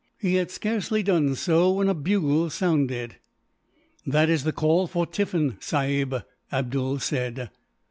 He had scarcely done so when a bugle sounded. "That is the call for tiffin, sahib," Abdool said.